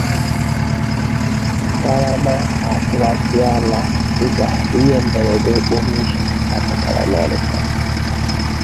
Karama Akụwasịala Dịka Ihe Mberede Okporo Ụzọ Dapụtara n'Ọnịsha